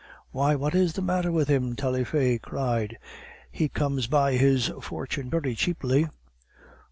"Why, what is the matter with him?" Taillefer cried. "He comes by his fortune very cheaply."